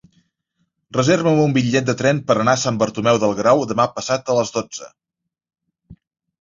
Reserva'm un bitllet de tren per anar a Sant Bartomeu del Grau demà passat a les dotze.